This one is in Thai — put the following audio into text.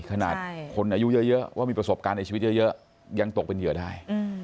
ขนาดคนอายุเยอะว่ามีประสบการณ์ในชีวิตเยอะยังตกเป็นเหยื่อได้